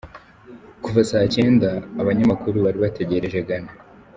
Kuva saa cyenda, abanyamakuru bari bategereje Ghana.